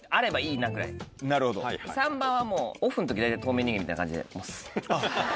３番はもうオフの時大体透明人間みたいな感じでスッ。